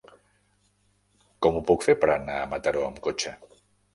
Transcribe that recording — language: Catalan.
Com ho puc fer per anar a Mataró amb cotxe?